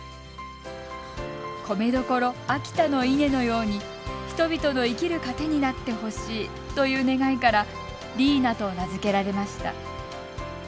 米どころ、秋田の稲のように人々の生きる糧になってほしいという願いから「里稲」と名付けられました。